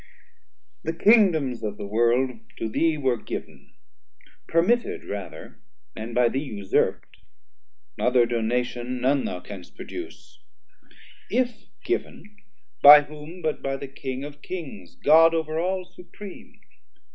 The Kingdoms of the world to thee were giv'n, Permitted rather, and by thee usurp't, Other donation none thou canst produce: If given, by whom but by the King of Kings, God over all supreme?